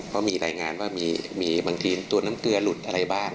เพราะมีรายงานว่ามีบางทีตัวน้ำเกลือหลุดอะไรบ้าง